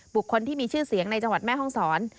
คนที่มีชื่อเสียงในจังหวัดแม่ห้องศร